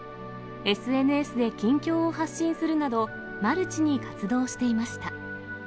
ＳＮＳで近況を発信するなど、マルチに活動していました。